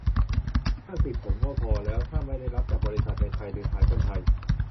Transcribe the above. นั่นสิ ผมว่าพอแล้ว ถ้าไม่ได้รับจากบริษัทในไทยหรือขายคนไทย